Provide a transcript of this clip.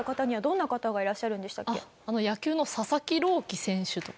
野球の佐々木朗希選手とか。